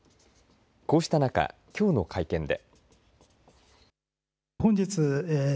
こうした中、きょうの会見で。